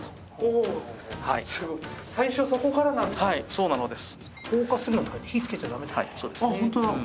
そうなのです。